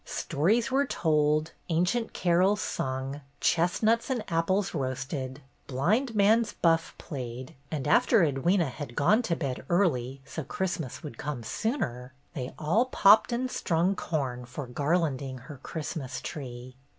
Stories were told, ancient carols sung, chestnuts and apples roasted, blind man's buff played; and after Edwyna had gone to bed early, "so Christmas would come sooner," they all popped and strung corn for garlanding her Christmas tree.